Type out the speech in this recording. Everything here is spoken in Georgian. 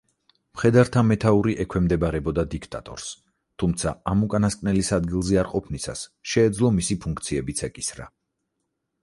მხედართა მეთაური ექვემდებარებოდა დიქტატორს, თუმცა ამ უკანასკნელის ადგილზე არყოფნისას, შეეძლო მისი ფუნქციებიც ეკისრა.